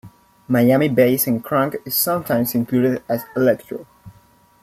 Miami bass and crunk is sometimes included as "electro".